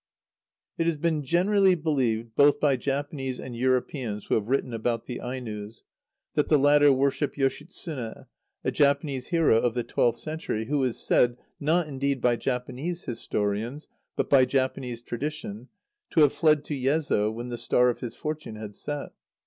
_ [It has been generally believed, both by Japanese and Europeans who have written about the Ainos, that the latter worship Yoshitsune, a Japanese hero of the twelfth century, who is said, not, indeed, by Japanese historians, but by Japanese tradition, to have fled to Yezo when the star of his fortune had set.